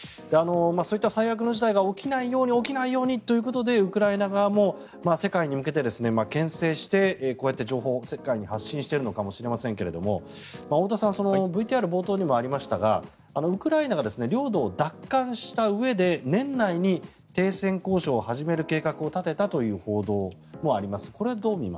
そういった最悪の事態が起きないように起きないようにということでウクライナ側も世界に向けてけん制してこうやって情報を世界に発信しているのかもしれませんが太田さんＶＴＲ冒頭にもありましたがウクライナが領土を奪還したうえで年内に停戦交渉を始める計画を立てたという報道もあります。